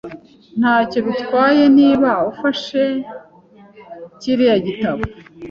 Ntacyo bitwaye niba ufashe kiriya gitabo .